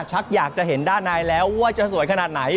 ชักอยากจะเห็นด้านในแล้วว่าจะสวยขนาดไหน